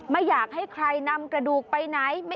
ไม่อยากให้ใครนำกระดูกไปไหน